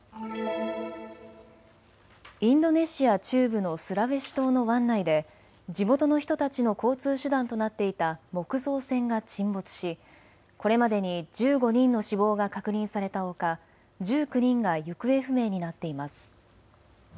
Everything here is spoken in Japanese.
インドネシア中部のスラウェシ島の湾内で地元の人たちの交通手段となっていた木造船が沈没しこれまでに１５人の死亡が確認されたほか１９人が行方不明になっています。